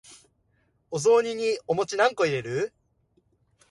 お雑煮にお餅何個入れる？